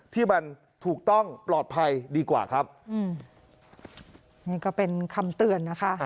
ที่มันถูกต้องปลอดภัยดีกว่าครับอืมนี่ก็เป็นคำเตือนนะคะ